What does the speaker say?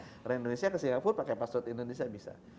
orang indonesia ke singapura pakai password indonesia bisa